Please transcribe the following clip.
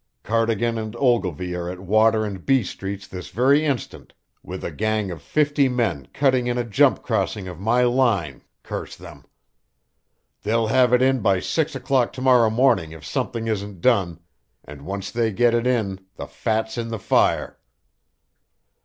Cardigan and Ogilvy are at Water and B streets this very instant with a gang of fifty men cutting in a jump crossing of my line, curse them! They'll have it in by six o'clock to morrow morning if something isn't done and once they get it in, the fat's in the fire.